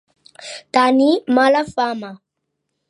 Tenir mala fama.